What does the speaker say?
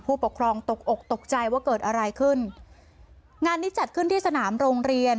ผู้ปกครองตกอกตกใจว่าเกิดอะไรขึ้นงานนี้จัดขึ้นที่สนามโรงเรียน